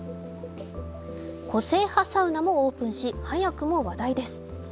個性派サウナもオープンし早くも話題です。